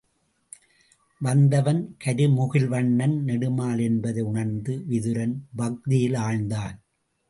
வந்தவன் கருமுகில்வண்ணன் நெடுமால் என்பதை உணர்ந்து விதுரன் பக்தியில் ஆழ்ந்தான்.